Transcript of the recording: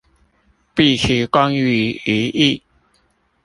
畢其功於一役